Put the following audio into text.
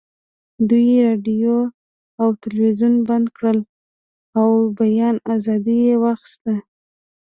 دوی راډیو او تلویزیون بند کړل او بیان ازادي یې واخیسته